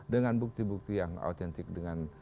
dengan bukti bukti yang autentik dengan